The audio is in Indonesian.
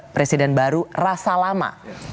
presiden baru rasa lama